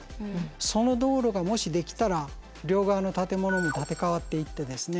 その道路がもし出来たら両側の建物も建て替わっていってですね